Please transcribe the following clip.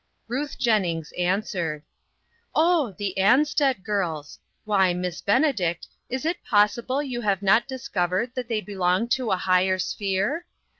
Ruth Jennings answered : "Oh, the Ansted girls! Why, Miss Ben edict, is it possible that you have not dis covered that they belong to a higher sphere